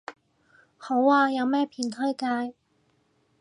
好啊，有咩片推介